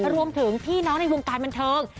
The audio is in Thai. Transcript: รวมถึงพี่น้องในวงการบันเทิง